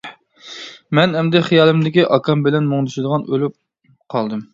مەن ئەمدى خىيالىمدىكى ئاكام بىلەن مۇڭدىشىدىغان ئۆلۈپ قالدىم.